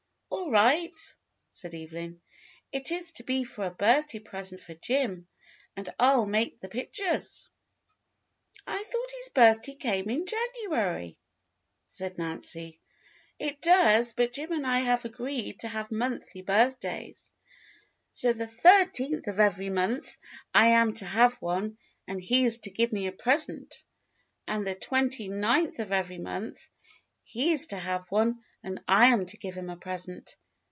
"All right," said Evelyn. "It is to be for a birth day present for Jim. And I'll make the pictures." "I thought his birthday came in January," said Nancy. "It does, but Jim and I have agreed to have monthly birthdays, so the thirteenth of every month I am to have one and he is to give me a present, and the twenty ninth of every month he is to have one and I am to give him a present.